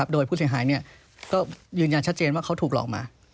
โดยผู้เสียหายก็ยืนยันชัดเจนว่าเขาถูกหลอกมา